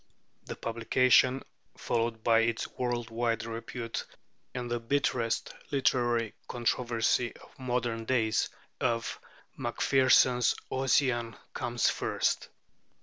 The publication (followed by its world wide repute and the bitterest literary controversy of modern days) of Macpherson's 'Ossian' comes first.